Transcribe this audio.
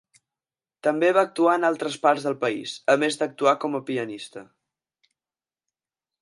També va actuar en altres parts del país, a més d'actuar com a pianista.